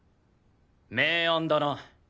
名案だな。